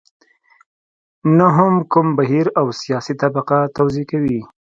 نه هم کوم بهیر او سیاسي طبقه توضیح کوي.